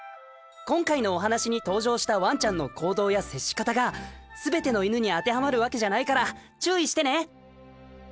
今回のお話に登場したワンちゃんの行動や接し方がすべての犬に当てはまるわけじゃないから注意してね。